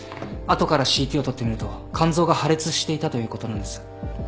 後からＣＴを撮ってみると肝臓が破裂していたということなんです。